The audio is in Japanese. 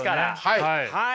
はい。